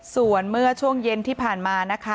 ส่วนเมื่อช่วงเย็นที่ผ่านมานะคะ